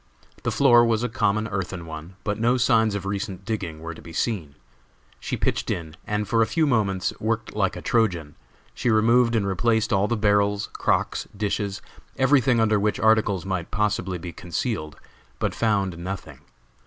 The floor was a common earthen one, but no signs of recent digging were to be seen. She pitched in, and for a few moments worked like a Trojan; she removed and replaced all the barrels, crocks, dishes, everything under which articles might possibly be concealed, but found nothing.